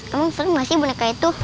emang sering gak sih boneka itu